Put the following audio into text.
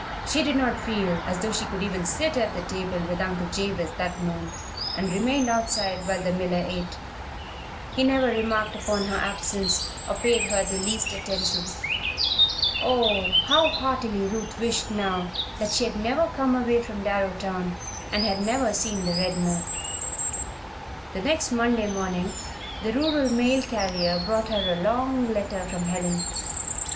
She did not feel as though she could even sit at the table with Uncle Jabez that noon, and remained outside while the miller ate. He never remarked upon her absence, or paid her the least attention. Oh, how heartily Ruth wished now that she had never come away from Darrowtown and had never seen the Red Mill. The next Monday morning the rural mail carrier brought her a long letter from Helen.